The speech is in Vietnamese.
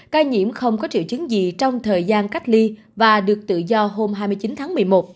ca nhiễm không có triệu chứng gì trong thời gian cách ly và được tự do hôm hai mươi chín tháng một mươi một